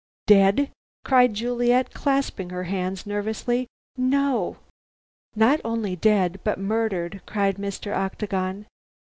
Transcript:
"Dead!" cried Juliet, clasping her hands nervously. "No!" "Not only dead, but murdered!" cried Mr. Octagon.